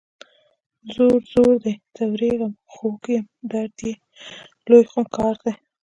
ځور، ځور دی ځوریږم خوږ یم درد یې لوی خونکار دی